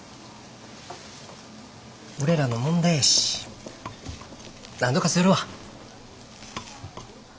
俺らの問題やしなんとかするわ。